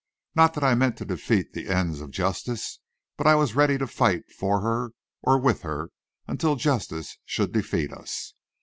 Not that I meant to defeat the ends of justice, but I was ready to fight for her or with her, until justice should defeat us.